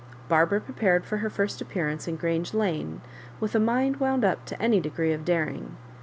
Barbara prepared for her first appearance in Grange Lane, with a mind wound up to any degree of daring.